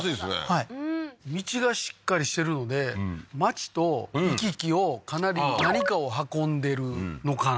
はい道がしっかりしてるので町と行き来をかなり何かを運んでるのかな